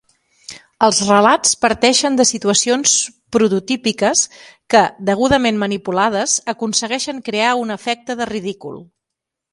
Els relats parteixen de situacions prototípiques que, degudament manipulades, aconsegueixen crear un efecte de ridícul.